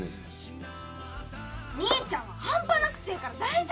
兄ちゃんは半端なく強えから大丈夫だよ！